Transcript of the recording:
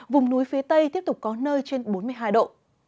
vùng núi phía tây tiếp tục có nơi trên bốn mươi hai độ